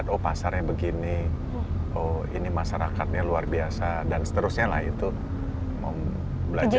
oh pasarnya begini oh ini masyarakatnya luar biasa dan seterusnya lah itu mau belajar